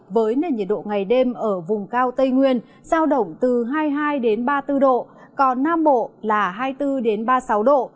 với nền nhiệt độ ngày đêm ở vùng cao tây nguyên giao động từ hai mươi hai ba mươi bốn độ còn nam bộ là hai mươi bốn ba mươi sáu độ